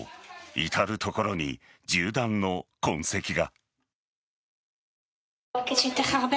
至る所に銃弾の痕跡が。